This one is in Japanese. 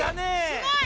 すごい！